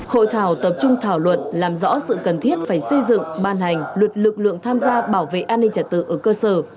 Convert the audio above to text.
hội thảo tập trung thảo luận làm rõ sự cần thiết phải xây dựng ban hành luật lực lượng tham gia bảo vệ an ninh trật tự ở cơ sở